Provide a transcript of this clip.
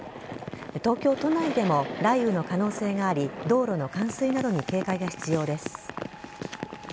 東京都内でも雷雨の可能性があり道路の冠水などに警戒が必要です。